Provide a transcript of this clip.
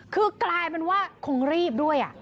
คือกลายเป็นว่าคงรีบด้วย